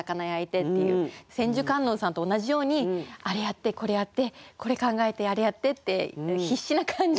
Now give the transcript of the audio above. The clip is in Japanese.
千手観音さんと同じようにあれやってこれやってこれ考えてあれやってって必死な感じ。